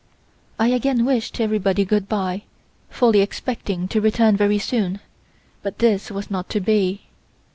I again wished everybody good bye, fully expecting to return very soon; but this was not to be.